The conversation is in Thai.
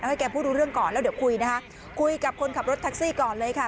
ให้แกพูดรู้เรื่องก่อนแล้วเดี๋ยวคุยนะคะคุยกับคนขับรถแท็กซี่ก่อนเลยค่ะ